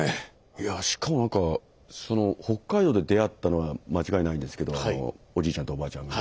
いやあしかもなんかその北海道で出会ったのは間違いないんですけどあのおじいちゃんとおばあちゃんが。